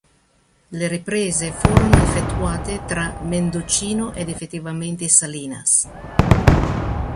Le riprese furono effettuate tra Mendocino ed effettivamente Salinas.